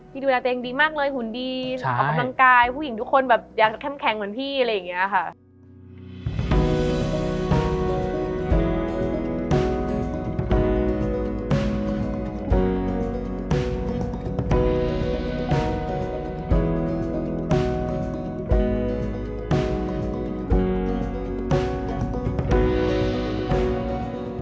ดูแลตัวเองดีมากเลยหุ่นดีออกกำลังกายผู้หญิงทุกคนแบบอยากเข้มแข็งเหมือนพี่อะไรอย่างนี้ค่ะ